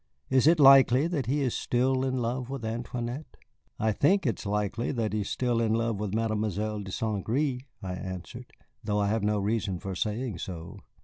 Is it likely that he is still in love with Antoinette?" "I think it is likely that he is still in love with Mademoiselle de St. Gré," I answered, "though I have no reason for saying so."